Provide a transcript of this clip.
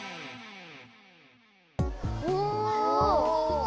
お。